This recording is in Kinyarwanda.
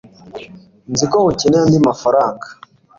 nzi ko ukeneye andi mafaranga